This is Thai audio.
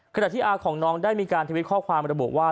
ขณะที่อาของน้องได้มีการทวิตข้อความระบุว่า